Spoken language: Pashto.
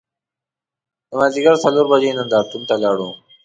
د مازدیګر څلور بجې نندار تون ته لاړو.